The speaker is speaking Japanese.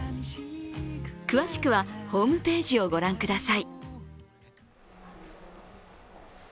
詳しくはホームページをご覧ください。